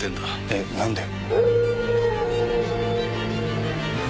「えっ？何で？」